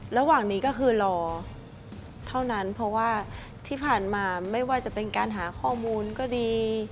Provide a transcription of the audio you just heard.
ระหว่างนี้ก็คือรอเท่านั้นเพราะว่าที่ผ่านมาไม่ว่าจะเป็นการหาข้อมูลก็ดี